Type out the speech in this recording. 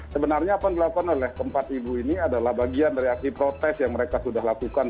sebenarnya apa yang dilakukan oleh keempat ibu ini adalah bagian dari aksi protes yang mereka sudah lakukan